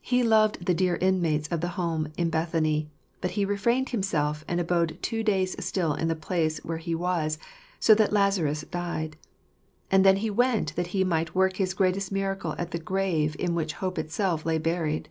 He loved the dear inmates of the home in Bethany, but He refrained Himself, and abode two days still in the same place where He was, so that Lazarus died; and then He went that He might work his greatest miracle at the grave in which hope itself lay buried.